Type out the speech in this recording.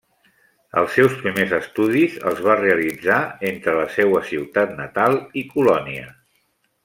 Els seus primers estudis els va realitzar entre la seua ciutat natal i Colònia.